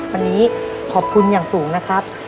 วันนี้ขอบคุณอย่างสูงนะครับ